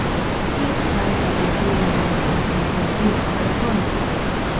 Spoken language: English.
He is currently living in Huntington Beach, California.